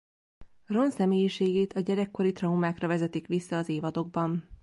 Ron személyiségét a gyerekkori traumákra vezetik vissza az évadokban.